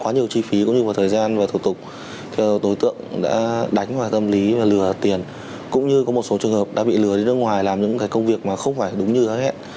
nhiều người đã bị lừa đến nước ngoài làm những công việc không phải đúng như hẳn